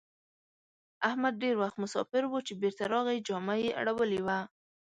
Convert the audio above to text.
احمد ډېر وخت مساپر وو؛ چې بېرته راغی جامه يې اړولې وه.